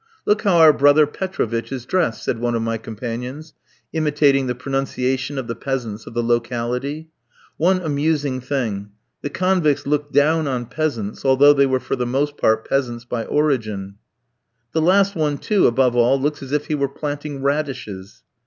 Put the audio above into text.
"Look how our brother Petrovitch is dressed," said one of my companions, imitating the pronunciation of the peasants of the locality. One amusing thing the convicts looked down on peasants, although they were for the most part peasants by origin. "The last one, too, above all, looks as if he were planting radishes."